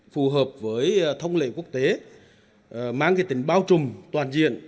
phù hợp với thông lệ quốc tế mang cái tính bao trùm toàn diện